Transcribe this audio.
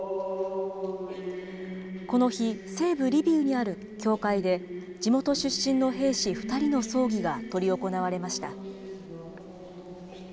この日、西部リビウにある教会で、地元出身の兵士２人の葬儀が執り行われました。